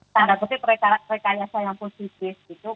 tanda kutip rekayasa yang positif gitu